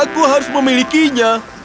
dia harus memilikinya